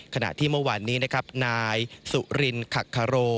ขณะที่เมื่อวานนี้นะครับนายสุรินขักคาโร